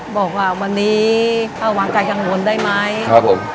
บอกว่าวันนี้ป้าหวังกายกังวลได้ไหมครับผม